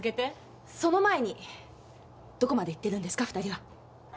その前にどこまでいってるんですか二人は？